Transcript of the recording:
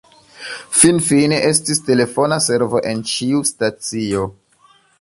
Finfine, estis telefona servo en ĉiu stacio.